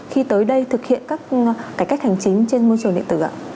khi tới đây thực hiện các cải cách hành chính trên môi trường điện tử ạ